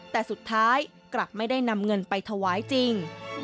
แต่สุดท้ายกลับไม่ได้นำเงินไปถวายจริง